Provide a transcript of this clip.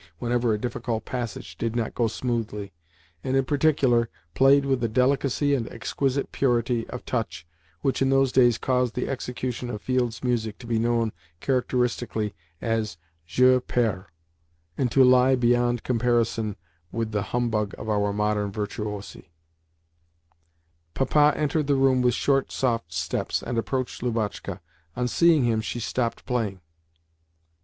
whenever a difficult passage did not go smoothly, and, in particular, played with the delicacy and exquisite purity of touch which in those days caused the execution of Field's music to be known characteristically as "jeu perlé" and to lie beyond comparison with the humbug of our modern virtuosi. Papa entered the room with short, soft steps, and approached Lubotshka. On seeing him she stopped playing.